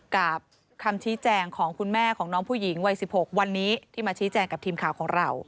กับคำชี้แจงของคุณแม่ของน้องผู้หญิงวัย๑๖วันนี้ที่มาชี้แจงกับทีมข่าวของเรา